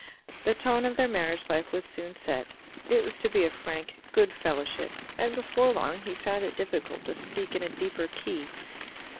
The tone of their marriage life was soon set. It was to be a frank good fellowship, and before long he found it difficult to speak in a deeper key.